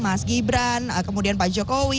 mas gibran kemudian pak jokowi